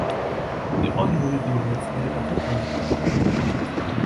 იყო იურიდიულ მეცნიერებათა კანდიდატი.